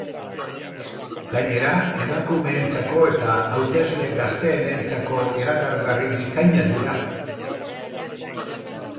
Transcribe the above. Gainera, emakumeentzako eta hautesle gazteenentzako erakargarri bikaina dira.